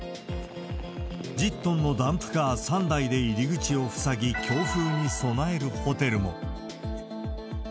１０トンのダンプカー３台で入り口を塞ぎ、強風に備えるホテルも。